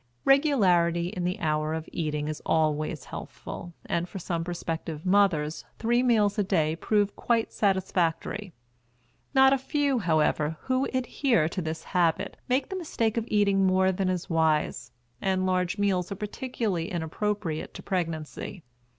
Regularity in the hour of eating is always healthful, and for some prospective mothers three meals a day prove quite satisfactory. Not a few, however, who adhere to this habit make the mistake of eating more than is wise; and large meals are particularly inappropriate to pregnancy.